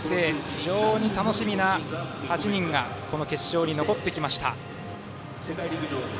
非常に楽しみな８人がこの決勝に残ってきました。